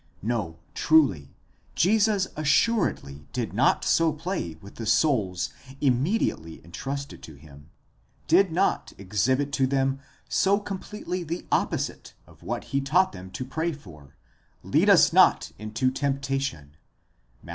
No truly: Jesus assuredly did not so play with the souls immediately entrusted to him, did not exhibit to them so completely the opposite of what he taught them to pray for, ead us not into temptation (Matt.